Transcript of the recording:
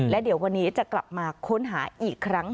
และเดี๋ยววันนี้จะกลับมาค้นหาอีกครั้ง